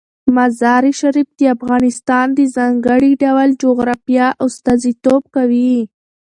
مزارشریف د افغانستان د ځانګړي ډول جغرافیه استازیتوب کوي.